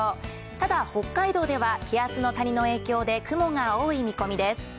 ただ北海道では、気圧の谷の影響で雲が多い見込みです。